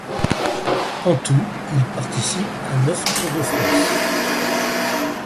En tout, il participe à neuf Tours de France.